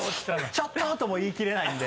「ちょっと！」とも言い切れないんで。